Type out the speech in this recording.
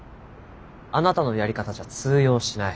あなたのやり方じゃ通用しない。